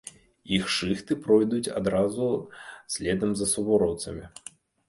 Іх шыхты пройдуць адразу следам за сувораўцамі.